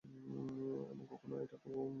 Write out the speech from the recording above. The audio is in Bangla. এবং কখনো এটা ভুলা যাবে না।